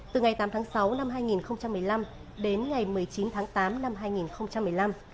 từ ngày tám tháng sáu năm hai nghìn một mươi năm đến ngày một mươi chín tháng tám năm hai nghìn một mươi năm